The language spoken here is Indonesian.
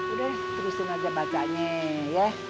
udah terusin aja bacanya ya